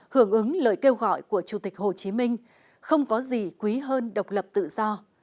hưởng ứng lời kêu gọi của chủ tịch hồ chí minh không có gì quý hơn độc lập tự do